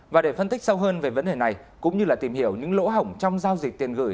và để phân tích sâu hơn về vấn đề này cũng như tìm hiểu những lỗ hổng trong giao dịch tiền gửi